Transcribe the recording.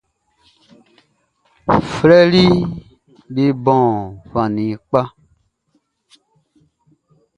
Flɛriʼm be bon fan ni kpa.